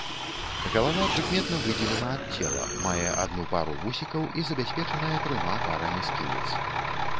Галава прыкметна выдзелена ад цела, мае адну пару вусікаў і забяспечаная трыма парамі сківіц.